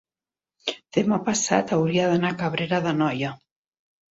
demà passat hauria d'anar a Cabrera d'Anoia.